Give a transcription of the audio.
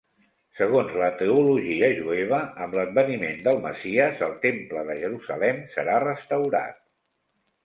Segons la teologia jueva, amb l'adveniment del Messies, el Temple de Jerusalem serà restaurat.